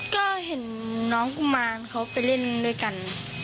ก็เห็นน้องกุมารเขาไปเล่นด้วยกัน